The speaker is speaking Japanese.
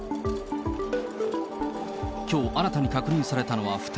きょう新たに確認されたのは２人。